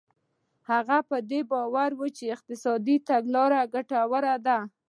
هغه په دې باور و چې اقتصادي تګلاره یې ګټوره ده.